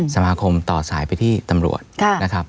สมาคมต่อสายไปที่ตำรวจนะครับ